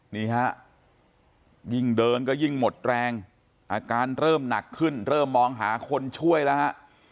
นี่ฮะยิ่งเดินก็ยิ่งหมดแรงอาการเริ่มหนักขึ้นเริ่มมองหาคนช่วยแล้วฮะ